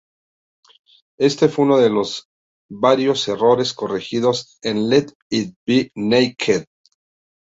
Éste fue uno de los varios errores corregidos en "Let It Be... Naked".